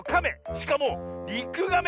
しかもリクガメ！